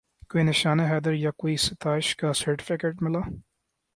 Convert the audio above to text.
کوئی نشان حیدر یا کوئی ستائش کا سرٹیفکیٹ ملا